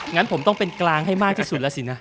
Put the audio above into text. งั้นผมต้องเป็นกลางให้มากที่สุดแล้วสินะ